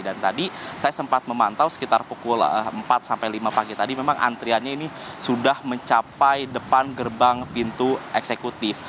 dan tadi saya sempat memantau sekitar pukul empat sampai lima pagi tadi memang antriannya ini sudah mencapai depan gerbang pintu eksekutif